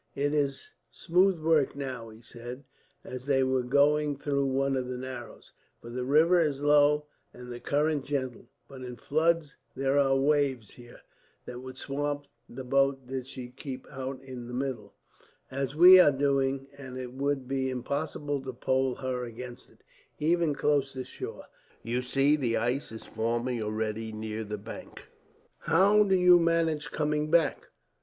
"It is smooth work now," he said, as they were going through one of the narrows, "for the river is low and the current gentle; but in floods there are waves, here, that would swamp the boat did she keep out in the middle, as we are doing; and it would be impossible to pole her against it, even close to the shore. You see, the ice is forming already near the banks." "How do you manage coming back?"